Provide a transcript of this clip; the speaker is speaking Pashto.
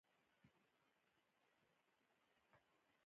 د تحریر میدان یو بل لاریونوال رضا متوالي خپل نظر ورکوي.